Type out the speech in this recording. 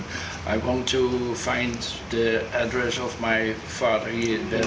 ya saya ingin mengetahui dari mana saya datang